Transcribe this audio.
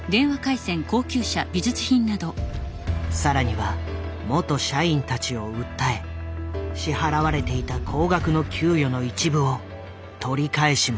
更には元社員たちを訴え支払われていた高額の給与の一部を取り返しもした。